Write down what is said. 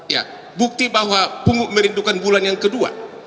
ya bukti bahwa punguk merindukan bulan yang kedua